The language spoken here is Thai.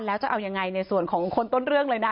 แล้วจะเอายังไงในส่วนของคนต้นเรื่องเลยนะ